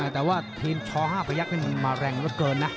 แต่ว่าทีมช่อห้าพระยักษณ์นี่มาแรงเยอะเกินนะ